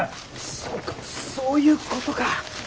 そうかそういうことか。